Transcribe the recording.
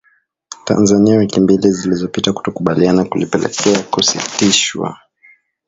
Tanzania wiki mbili zilizopita kutokukubaliana kulipelekea kusitishwa